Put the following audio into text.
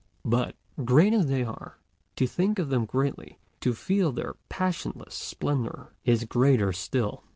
But, great as they are, to think of them greatly, to feel their passionless splendor, is greater still.